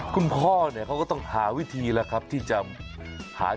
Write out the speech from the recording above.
คุณพ่อเนี่ยเขาก็ต้องหาวิธีแล้วครับที่จะหา